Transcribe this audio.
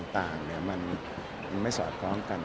ต่างมันไม่สอดคล้องกัน